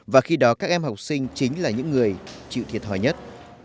và khi đó các em học sinh chính là những người chịu thiệt thòi nhất